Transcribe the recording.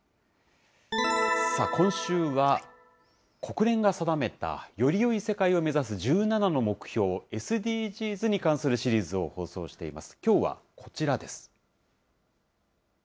今週は国連が定めたよりよい世界を目指す１７の目標、ＳＤＧｓに関するシリーズを放送しています。